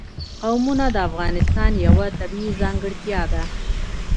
قومونه د افغانستان یوه طبیعي ځانګړتیا ده.